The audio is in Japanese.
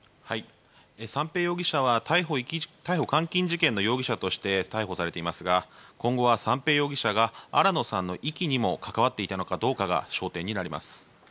三瓶容疑者は逮捕監禁事件の容疑者として逮捕されていますが今後は三瓶容疑者が新野さんの遺棄にも関わっていたのかどうかが焦点になります。